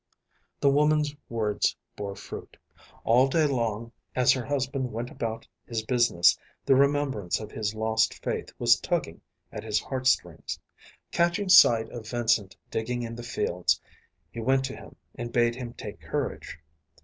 The woman's words bore fruit. All day long, as her husband went about his business, the remembrance of his lost Faith was tugging at his heartstrings. Catching sight of Vincent digging in the fields, he went to him and bade him take courage.